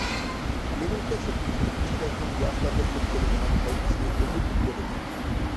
مېنىڭچە، سىرتقا چىقىپ ئىشلەشنىڭ ياشلارغا ئېلىپ كېلىدىغان پايدىسى ئۆمۈرلۈك بولىدۇ.